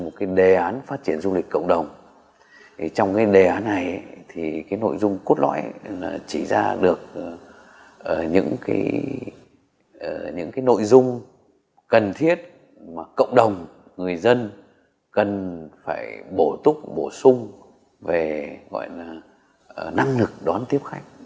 trong đề án này nội dung cốt lõi chỉ ra được những nội dung cần thiết mà cộng đồng người dân cần phải bổ túc bổ sung về năng lực đón tiếp khách